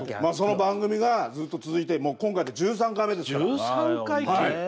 その番組がずっと続いてもう今回で１３回目ですから。